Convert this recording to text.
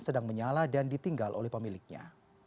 sedang menyala dan ditinggal oleh pemiliknya